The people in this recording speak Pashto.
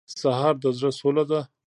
سهار د زړه سوله ده.